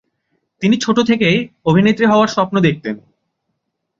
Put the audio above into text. তিনি ছোট থেকেই অভিনেত্রী হওয়ার স্বপ্ন দেখেতেন।